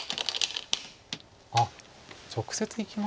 あっ直接いきました。